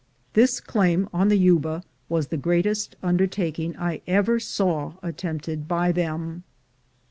This claim on the Yuba was the greatest under taking I ever saw attempted by them.